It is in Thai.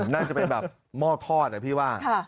น่าจะเป็นแบบหม้อทอดนะพี่ว่า